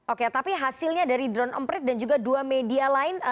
oke tapi hasilnya dari drone emprit dan juga dua media lain